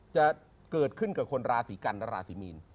จะเกิดขึ้นกับคนราศีกันและราศีมีน